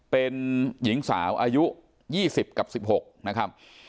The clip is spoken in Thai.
เป็นหญิงสาวอายุ๒๐กับ๑๖นะครับ